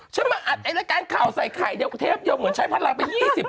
ฉันมาอัดไอ้รายการข่าวใส่ไข่เทปเดียวเหมือนใช้พลังไป๒๐เทป